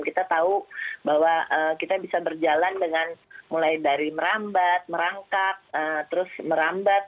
kita tahu bahwa kita bisa berjalan dengan mulai dari merambat merangkap terus merambat